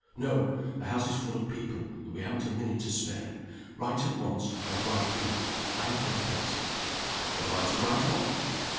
"No. The house is full of people, and we haven't a minute to spare. Write at once, and write here. I have got a pencil." "What am I to write on?"